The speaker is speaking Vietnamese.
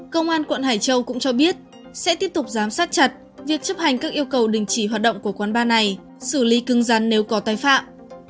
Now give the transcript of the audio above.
công an quận hải châu cũng cho biết sẽ tiếp tục giám sát chặt việc chấp hành các yêu cầu đình chỉ hoạt động của quán bar này xử lý cưng rắn nếu có tái phạm